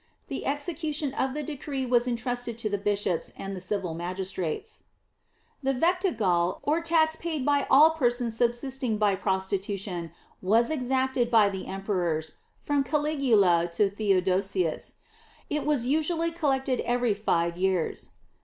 The execution of the decree was intrusted to the bishops and the civil magistrates. The vectigal or tax paid by all persons subsisting by prostitution was exacted by the emperors, from Caligula to Theodosius. It was usually collected every five years.